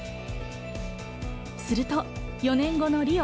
すると４年後のリオ。